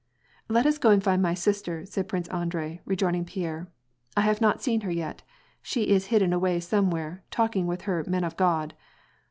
" Let us go and find my sister," said Prince Andrei, rejoin ing Pierre. " I have not seen her yet : she is hidden away somewhere, talking with her ' Men of God.'